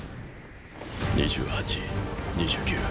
２８２９。